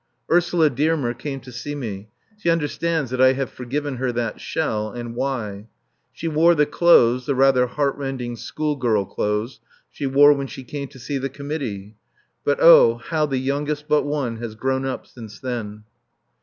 Ursula Dearmer came to see me. She understands that I have forgiven her that shell and why. She wore the clothes the rather heart rending school girl clothes she wore when she came to see the Committee. But oh, how the youngest but one has grown up since then!